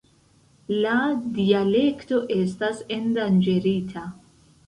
La dialekto estas endanĝerita.